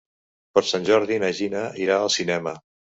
Per Sant Jordi na Gina irà al cinema.